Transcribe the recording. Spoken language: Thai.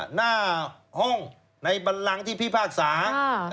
หน้าห้องในบันลังที่พิพากษา